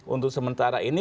untuk sementara ini